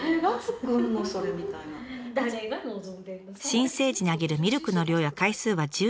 新生児にあげるミルクの量や回数は十人十色。